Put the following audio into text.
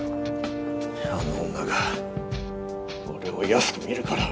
あの女が俺を安く見るから！